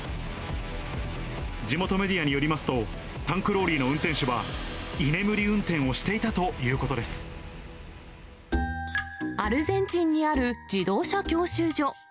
地元メディアによりますと、タンクローリーの運転手は、居眠り運転をしていたということアルゼンチンにある自動車教習所。